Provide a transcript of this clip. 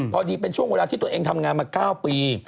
พอดีเป็นช่วงเวลาที่ตัวเองทำงานมา๙ปี